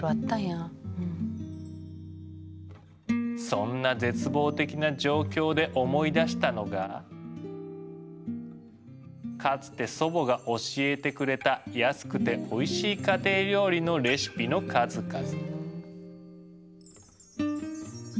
そんな絶望的な状況で思い出したのがかつて祖母が教えてくれた安くておいしい家庭料理のレシピの数々。